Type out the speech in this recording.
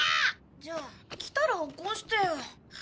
じゃあ来たら起こしてよ。